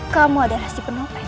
kamu ada rahasi penopeng